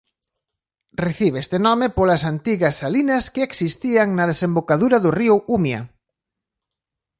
Recibe este nome polas antigas salinas que existían na desembocadura do río Umia.